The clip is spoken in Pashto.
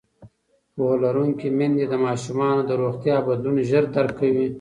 پوهه لرونکې میندې د ماشومانو د روغتیا بدلون ژر درک کوي.